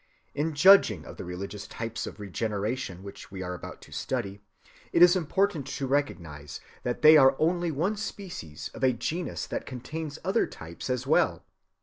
In judging of the religious types of regeneration which we are about to study, it is important to recognize that they are only one species of a genus that contains other types as well.